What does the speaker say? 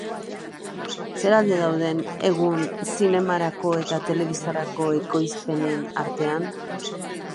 Zer alde daude egun zinemarako eta telebistarako ekoizpenen artean?